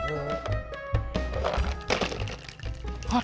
udah sini aja